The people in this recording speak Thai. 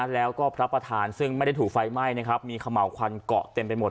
แล้วก็พระประธานซึ่งไม่ได้ถูกไฟไม้มีขะเหมาควันเกาะเต็มไปหมด